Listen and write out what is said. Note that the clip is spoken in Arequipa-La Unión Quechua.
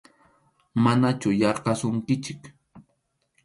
Manachu yarqasunkichik.